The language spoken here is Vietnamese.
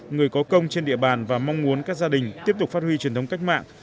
người có công trên địa bàn và mong muốn các gia đình tiếp tục phát huy truyền thống cách mạng